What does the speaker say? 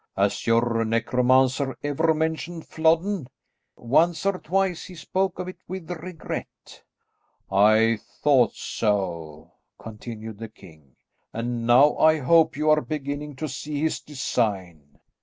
"Has your necromancer ever mentioned Flodden?" "Once or twice he spoke of it with regret." "I thought so," continued the king; "and now I hope you are beginning to see his design."